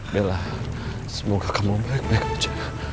bella semoga kamu baik baik saja